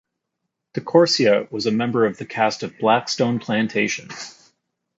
De Corsia was a member of the cast of "Blackstone Plantation".